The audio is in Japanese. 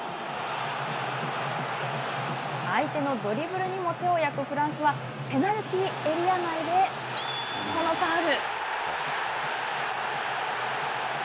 相手のドリブルにも手を焼くフランスは、ペナルティーエリア内でこのファウル。